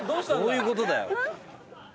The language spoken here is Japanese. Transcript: どういうことだよ。